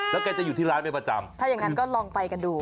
แล้วแกจะอยู่ที่ร้านเป็นประจำถ้าอย่างนั้นก็ลองไปกันดู